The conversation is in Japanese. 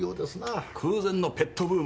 空前のペットブーム。